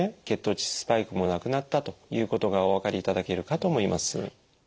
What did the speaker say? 血糖値スパイクもなくなったということがお分かりいただけるかと思います。